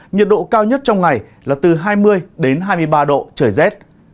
nhiệt độ cao nhất trong ngày là từ hai mươi đến hai mươi ba độ trời rét